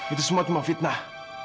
itu semua cuma fitnah